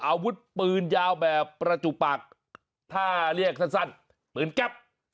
อาวุธปืนยาวแบบประจุปากถ้าเรียกสั้นปืนแก๊ป